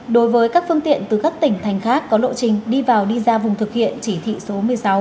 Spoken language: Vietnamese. đối với các phương tiện từ các tỉnh thành khác có lộ trình đi vào đi ra vùng thực hiện chỉ thị số một mươi sáu